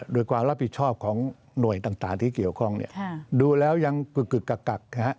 โดยความรับผิดชอบของหน่วยต่างที่เกี่ยวข้องดูแล้วยังกึกกัก